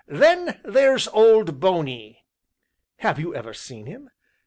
"Then there's Old Bony." "Have you ever seen him?"